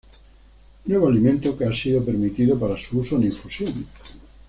Nuevo Alimento que ha sido permitido para su uso en infusión.